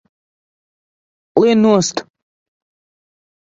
Lien nost!